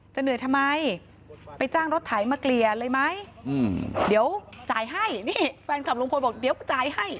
เหนื่อยทำไมไปจ้างรถไถมาเกลี่ยเลยไหมเดี๋ยวจ่ายให้นี่แฟนคลับลุงพลบอกเดี๋ยวจ่ายให้